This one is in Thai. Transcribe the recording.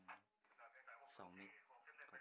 สำหรับประเทศพันธ์